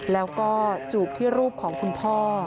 แล้วก็จูบที่รูปของคุณพ่อ